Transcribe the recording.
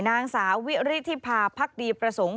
นางสาววิริธิภาพดีประสงค์